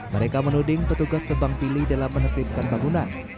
mereka menuding petugas tebang pilih dalam menetipkan bangunan